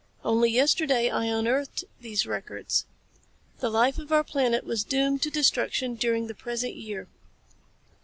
Only yesterday I unearthed these records. The life of our planet was doomed to destruction during the present year.